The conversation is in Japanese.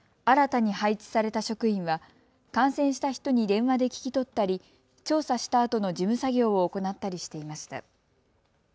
新たに配置された職員は感染した人に電話で聞き取ったり調査したあとの事務作業を行ったりしていました。